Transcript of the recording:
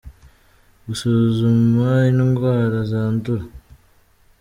gusuzuma indwara zandura.